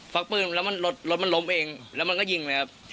วักปืนแล้วมันรถมันล้มเองแล้วมันก็ยิงเลยครับ